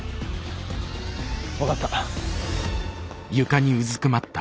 分かった。